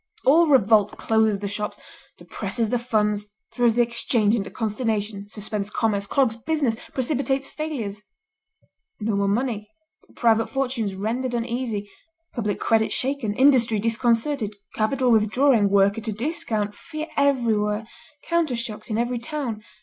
"All revolt closes the shops, depresses the funds, throws the Exchange into consternation, suspends commerce, clogs business, precipitates failures; no more money, private fortunes rendered uneasy, public credit shaken, industry disconcerted, capital withdrawing, work at a discount, fear everywhere; counter shocks in every town.